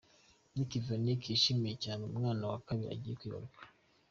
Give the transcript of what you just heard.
Nick Vujicic yishimiye cyane umwana wa kabiri agiye kwibaruka.